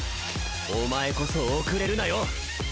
お前こそ遅れるなよ！